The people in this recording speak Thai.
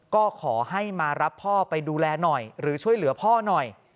ก็ขอให้มารับพ่อไปดูแลหน่อยหรือช่วยเหลือพ่อหน่อย